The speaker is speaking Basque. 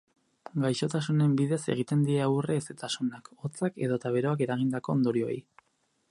Gaixotasunen bidez egiten die aurre hezetasunak, hotzak edota beroak eragindako ondorioei.